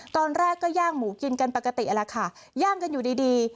ตอนแรกก็ย่างหมูกินกันปกติแล้วค่ะย่างกันอยู่ดีดี